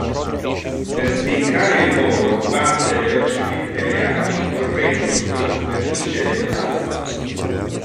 Per spiccare il volo batte velocemente le ali correndo sulla superficie dell'acqua.